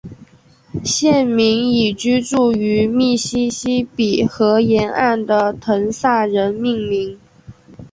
县名以居住于密西西比河沿岸的滕萨人命名。